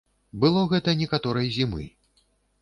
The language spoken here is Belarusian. Было гэта некаторай зімы.